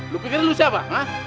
lu pikir lu siapa